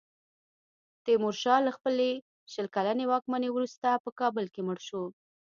تیمورشاه له خپلې شل کلنې واکمنۍ وروسته په کابل کې مړ شو.